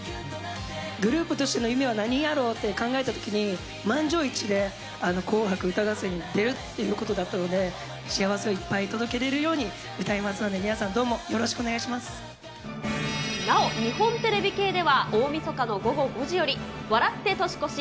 グループとしての夢は何やろって考えたときに、満場一致で、紅白歌合戦に出るっていうことだったので、幸せをいっぱい届けれるように、歌いますので、皆さん、なお、日本テレビ系では、大みそかの午後５時より笑って年越し！